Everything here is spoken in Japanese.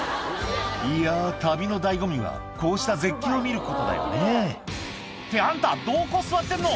「いや旅の醍醐味はこうした絶景を見ることだよね」ってあんたどこ座ってんの！